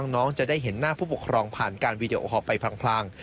น้องจะได้เห็นหน้าผู้ปกครองผ่านการวีดีโอคอลไปพลาง